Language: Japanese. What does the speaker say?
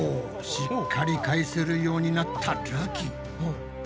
しっかり返せるようになったるき。